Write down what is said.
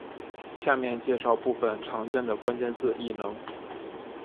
下面介绍部分常见的关键字异能。